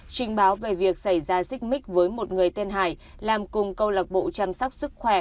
trình báo về việc xảy ra xích mích với một người tên hải làm cùng câu lạc bộ chăm sóc sức khỏe